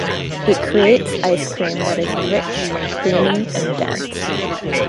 It creates ice cream that is rich, creamy and dense.